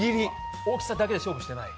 大きさだけで勝負してない？